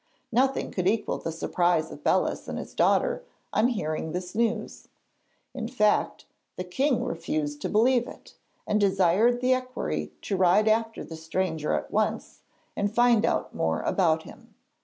Nothing could equal the surprise of Belus and his daughter on hearing this news. In fact, the king refused to believe it, and desired the equerry to ride after the stranger at once, and find out more about him.